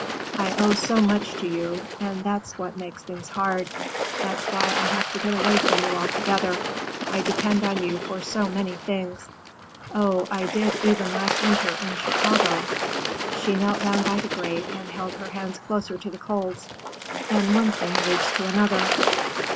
"I owe so much to you, and that's what makes things hard. That's why I have to get away from you altogether. I depend on you for so many things. Oh, I did even last winter, in Chicago!" She knelt down by the grate and held her hands closer to the coals. "And one thing leads to another."